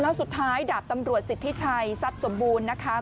แล้วสุดท้ายดาบตำรวจสิทธิชัยทรัพย์สมบูรณ์นะคะ